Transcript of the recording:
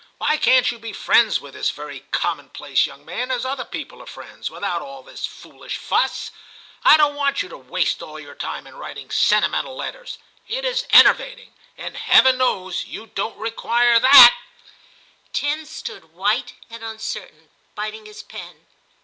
Why can't you be friends with this very commonplace young man as other people are friends, without all this foolish fuss ? I don't want you to waste all your time in writing sentimental letters ; it is enervating ; and Heaven knows you don't require that' Tim stood white and uncertain, biting his pen.